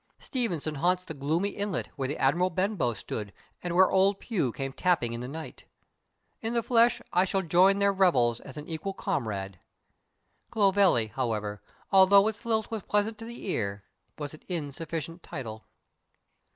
Stevenson haunts the gloomy inlet where the Admiral Benbow stood and where old Pew came tapping in the night. In the flesh I shall join their revels as an equal comrade. Clovelly, however, although its lilt was pleasant to the ear, was an insufficient title.